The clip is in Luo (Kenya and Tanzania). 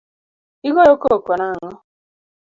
Igoyo koko nang'o?